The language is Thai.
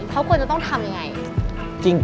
เขาควรจะต้องทำยังไง